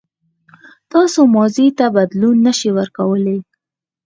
تاسو ماضي ته بدلون نه شئ ورکولای.